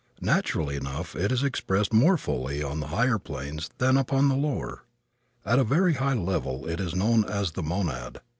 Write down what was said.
Naturally enough it is expressed more fully upon the higher planes than upon the lower. At a very high level it is known as the monad.